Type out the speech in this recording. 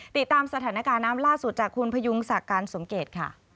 ติดตามสถานการณ์น้ำล่าสุดจากคุณพยุงศักดิ์การสมเกตค่ะ